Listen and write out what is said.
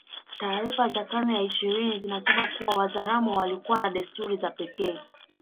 Taarifa za karne ya ishirini zinasema kuwa Wazaramo walikuwa na desturi za pekee